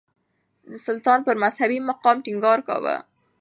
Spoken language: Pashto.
سلطان پر مذهبي مقام ټينګار کاوه.